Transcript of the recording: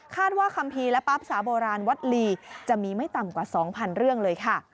ว่าคัมภีร์และปั๊บสาโบราณวัดลีจะมีไม่ต่ำกว่า๒๐๐เรื่องเลยค่ะ